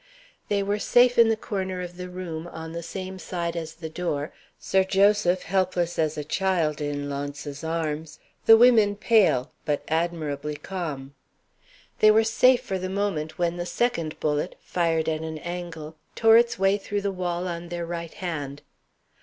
They were safe in the corner of the room, on the same side as the door Sir Joseph, helpless as a child, in Launce's arms; the women pale, but admirably calm. They were safe for the moment, when the second bullet (fired at an angle) tore its way through the wall on their right hand.